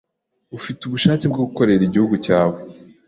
Ufite ubushake bwo gukorera igihugu cyawe